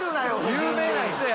有名な人や！